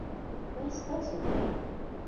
دا ستاسو دی؟